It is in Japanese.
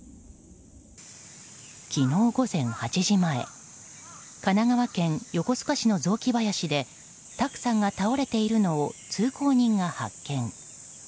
昨日午前８時前神奈川県横須賀市の雑木林で卓さんが倒れているのを通行人が発見。